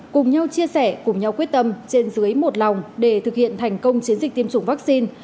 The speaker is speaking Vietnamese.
cùng nhau chia sẻ cùng nhau quyết tâm trên dưới một lòng để thực hiện thành công chiến dịch tiêm chủng vaccine